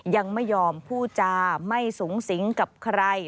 ยังไม่ยอมพูดจาไม่สูงสิงกับใคร